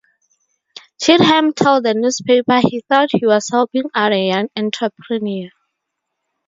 Cheatham told the newspaper he thought he was helping out a young entrepreneur.